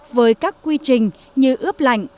với các quy trình như ướp lại